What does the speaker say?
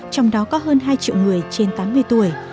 trong đó có hơn hai triệu người trên tám mươi tuổi